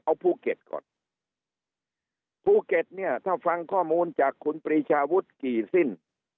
เอาภูเก็ตก่อนภูเก็ตเนี่ยถ้าฟังข้อมูลจากคุณปรีชาวุฒิกี่สิ้น